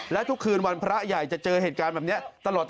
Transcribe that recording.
และทุกคืนวันพระใหญ่จะเจอเหตุการณ์แบบนี้ตลอด